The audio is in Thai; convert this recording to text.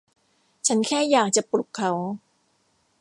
ฉันแค่อยากจะปลุกเขา